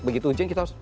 begitu ujian kita harus